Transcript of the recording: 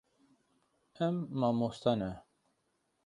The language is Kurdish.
Em mamoste ne.